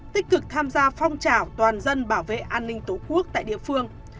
thích cực tham gia phong trào toàn dân bảo vệ an ninh tố quốc tại địa phương